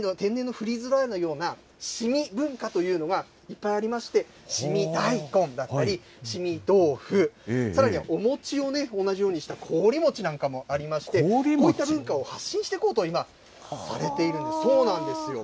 さらにこの地域、いわゆるフリーズドライの、天然のフリーズドライのような、凍み文化というのが、いっぱいありまして、凍み大根だったり、凍み豆腐、さらにはお餅をね、同じようにした凍り餅なんかもありまして、こういった文化を発信していこうと今、されているそうなんですよ。